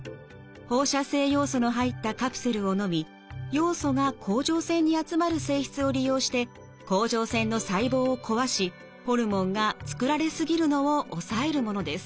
放射性ヨウ素の入ったカプセルをのみヨウ素が甲状腺に集まる性質を利用して甲状腺の細胞を壊しホルモンが作られ過ぎるのを抑えるものです。